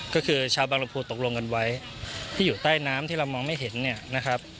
ก็คือชาวบางลำพูตกลงกันไว้ที่อยู่ใต้น้ำที่เรามองไม่เห็นเนี่ยนะครับ